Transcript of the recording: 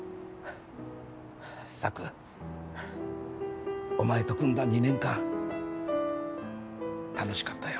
サクお前と組んだ２年間楽しかったよ。